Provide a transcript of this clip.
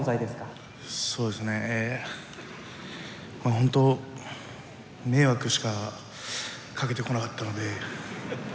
ほんと迷惑しかかけてこなかったので。